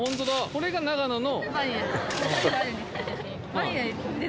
これが長野の。